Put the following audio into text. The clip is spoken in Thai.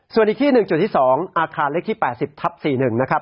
ส่วนอีกที่๑จุดที่๒อาคารเล็กที่๘๐ทับ๔๑นะครับ